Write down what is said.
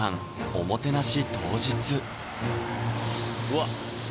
おもてなし当日うわっ